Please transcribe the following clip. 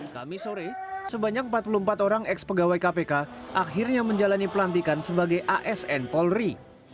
kami sore sebanyak empat puluh empat orang ex pegawai kpk akhirnya menjalani pelantikan sebagai asn polri